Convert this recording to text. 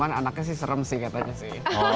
cuma anaknya sih serem sih katanya sih